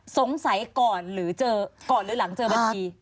สงสัยก่อนหรือหลังเจอบัญชี